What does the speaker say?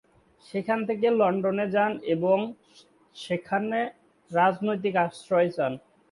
সেখান থেকে লন্ডনে যান এবং সেখানে রাজনৈতিক আশ্রয় চান।